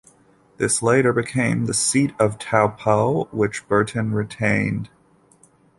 This later became the seat of Taupo, which Burton retained.